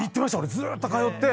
ずーっと通って。